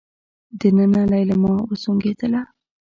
دننه ليلما وسونګېدله.